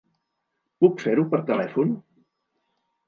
Puc fer-ho per telèfon?